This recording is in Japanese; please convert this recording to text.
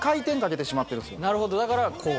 なるほどだからこう。